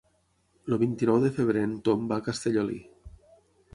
El vint-i-nou de febrer en Tom va a Castellolí.